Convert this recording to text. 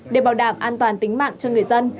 để bảo đảm an toàn tính mạng cho người dân